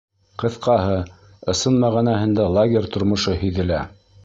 Ҡыҫҡаһы, ысын мәғәнәһендә лагерь тормошо һиҙелә.